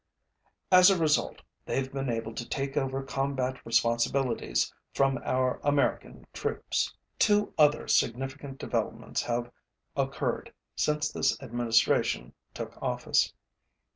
As a result, they've been able to take over combat responsibilities from our American troops. Two other significant developments have occurred since this Administration took office.